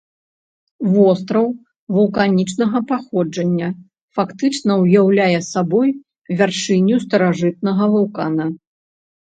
Востраў вулканічнага паходжання, фактычна ўяўляе сабой вяршыню старажытнага вулкана.